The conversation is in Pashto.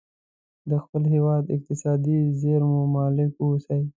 د خپل هیواد اقتصادي زیرمو مالک واوسي.